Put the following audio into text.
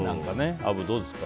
アブ、どうですか？